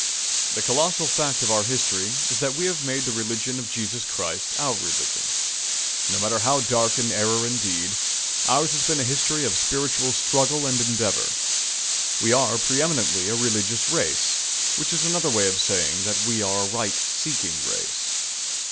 The colossal fact of our history is that we have made the religion of Jesus Christ our religion. No matter how dark in error and deed, ours has been a history of spiritual struggle and endeavour. We are pre eminently a religious race, which is another way of saying that we are a right seeking race.